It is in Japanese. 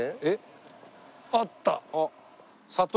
あった。